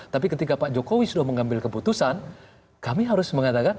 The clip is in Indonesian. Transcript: tapi ketika pak jokowi sudah mengambil keputusan kami harus mengatakan